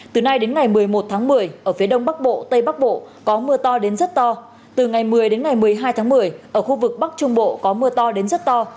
từ nay đến ngày một mươi một tháng một mươi ở phía đông bắc bộ tây bắc bộ có mưa to đến rất to từ ngày một mươi đến ngày một mươi hai tháng một mươi ở khu vực bắc trung bộ có mưa to đến rất to